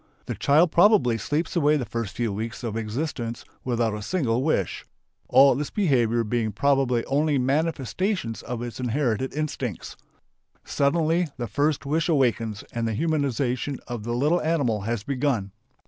The child probably sleeps away the first few weeks of its existence without a single wish, all its behaviour being probably only manifestations of its inherited instincts. Suddenly the first wish awakens and the humanization of the little animal has begun.